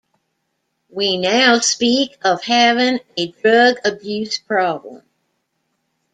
We now speak of having a drug-abuse problem.